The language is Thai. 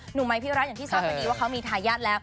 หนุ่มไม้พี่รัชอย่างที่ทราบกว่านี้ว่าเขามีทายาทแล้ว